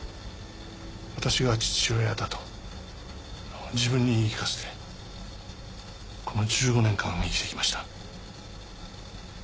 私が父親だと自分に言い聞かせてこの１５年間生きてきました。